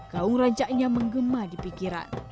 kau rancaknya menggema di pikiran